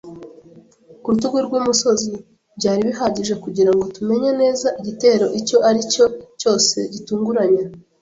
ku rutugu rw'umusozi byari bihagije kugira ngo tumenye neza igitero icyo ari cyo cyose gitunguranye,